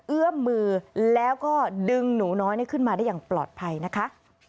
เอื้อมมือแล้วก็ดึงหนูน้อยขึ้นมาได้อย่างปลอดภัยนะคะ